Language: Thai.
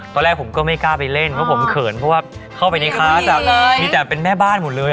ตอนแรกผมก็ไม่กล้าไปเล่นเพราะผมเขินเพราะว่าเข้าไปในคลาสมีแต่เป็นแม่บ้านหมดเลย